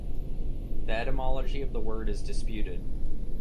The etymology of the word is disputed.